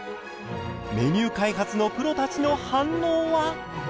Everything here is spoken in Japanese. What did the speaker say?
メニュー開発のプロたちの反応は？へえ。